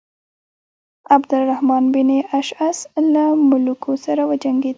عبدالرحمن بن اشعث له ملوکو سره وجنګېد.